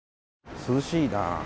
涼しいなあ。